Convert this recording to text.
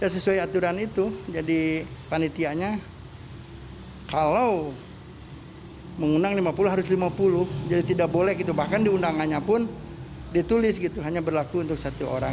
sesuai aturan itu jadi panitianya kalau mengundang lima puluh harus lima puluh jadi tidak boleh gitu bahkan di undangannya pun ditulis gitu hanya berlaku untuk satu orang